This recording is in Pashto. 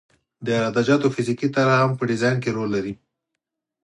د عراده جاتو فزیکي طرح هم په ډیزاین کې رول لري